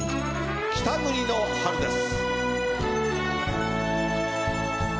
『北国の春』です。